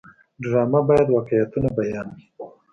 ډرامه باید واقعیتونه بیان کړي